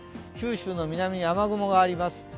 九州の南に雨雲があります。